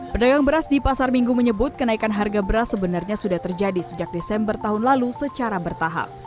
pedagang beras di pasar minggu menyebut kenaikan harga beras sebenarnya sudah terjadi sejak desember tahun lalu secara bertahap